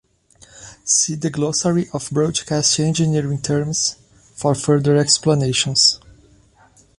See the glossary of broadcast engineering terms for further explanations.